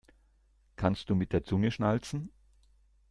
Kannst du mit der Zunge schnalzen?